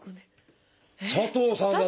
「佐藤さん」だった！